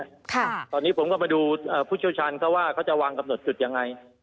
ค่ะตอนนี้ผมก็มาดูผู้เชี่ยวชาญเขาว่าเขาจะวางกำหนดจุดยังไง